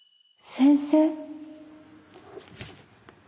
先生！